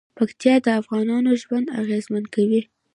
پکتیکا د افغانانو ژوند اغېزمن کوي.